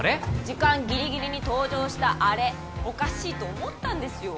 時間ギリギリに登場したアレおかしいと思ったんですよ